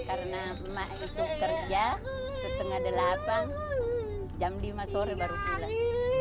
karena emak itu kerja setengah delapan jam lima sore baru pulang